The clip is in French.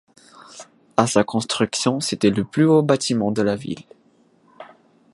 À sa construction c'était le plus haut bâtiment de la ville.